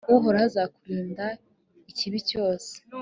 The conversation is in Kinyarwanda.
uhoraho azakurinda ikibi cyose